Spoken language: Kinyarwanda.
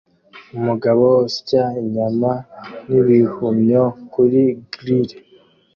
Umugabo usya inyama n'ibihumyo kuri grill